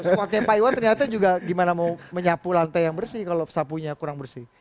spotnya pak iwan ternyata juga gimana mau menyapu lantai yang bersih kalau sapunya kurang bersih